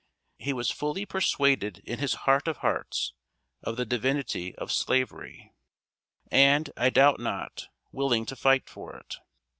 He was fully persuaded in his heart of hearts of the divinity of Slavery; and, I doubt not, willing to fight for it.